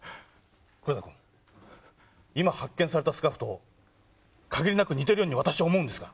黒田君今発見されたスカーフと限りなく似ているようにわたしは思うんですが。